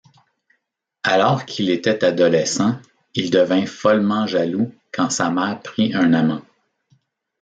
Alors qu'il était adolescent, il devint follement jaloux quand sa mère prit un amant.